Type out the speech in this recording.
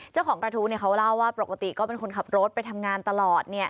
เจ้าของกระทู้เขาเล่าว่าปกติก็เป็นคนขับรถไปทำงานตลอด